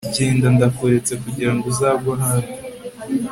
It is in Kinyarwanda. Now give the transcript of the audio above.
genda ndakuretse kugirango uzagwe ahandi